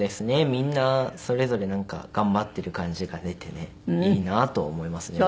みんなそれぞれなんか頑張っている感じが出てねいいなと思いますね